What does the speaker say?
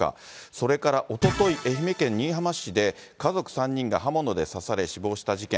それからおととい、愛媛県新居浜市で家族３人が刃物で刺され、死亡した事件。